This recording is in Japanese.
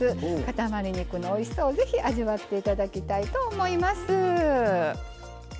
塊肉のおいしさをぜひ味わって頂きたいと思います。